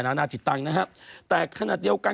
นานาติดตามนะฮะแต่ขนาดเดียวกัน